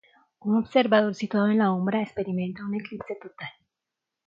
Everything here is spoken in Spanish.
Un observador situado en la umbra experimenta un eclipse total.